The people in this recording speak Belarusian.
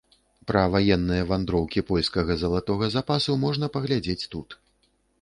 Пра ваенныя вандроўкі польскага залатога запасу можна паглядзець тут.